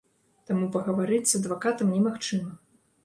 Таму пагаварыць з адвакатам немагчыма.